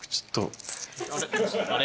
あれ？